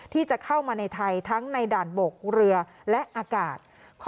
ที่จะเข้ามาในไทยทั้งในด่านบกเรือและอากาศ